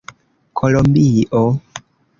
kolombio